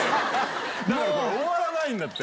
だからこれ終わらないんだって。